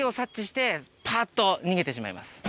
パっと逃げてしまいます。